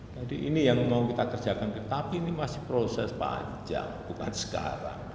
jadi ini yang mau kita kerjakan tapi ini masih proses panjang bukan sekarang